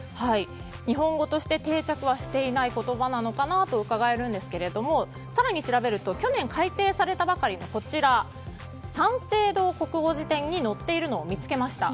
日本語として定着していない言葉なのかとうかがえるんですけども更に調べると去年改訂されたばかりの三省堂国語辞典に載っているのを見つけました。